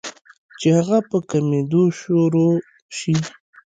چې هغه پۀ کمېدو شورو شي